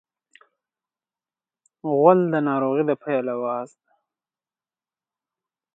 غول د ناروغۍ د پیل اواز وي.